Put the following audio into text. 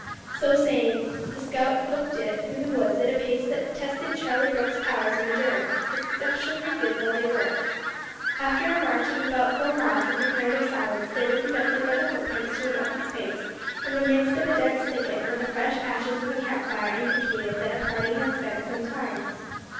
So saying, the scout "hoofed it" through the woods at a pace that tested Charlie Brooke's powers of endurance, exceptionally good though they were. After a march of about four miles in comparative silence they were conducted by the footprints to an open space in the midst of dense thicket where the fresh ashes of a camp fire indicated that a party had spent some time.